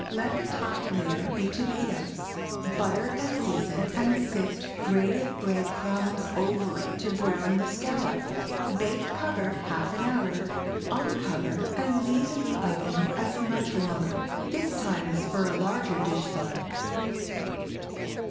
Let the top layer be tomatoes, butter and season, and sift grated bread crumbs over it to brown the scallop. Bake covered half an hour; uncover and leave in the oven as much longer. This time is for a large dishful.